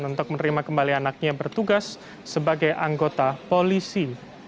untuk menerima kembali anaknya bertugas sebagai anggota polisi